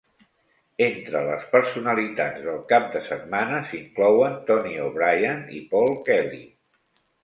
Entre les personalitats del cap de setmana s'inclouen Tony O'Brien i Paul Kelly.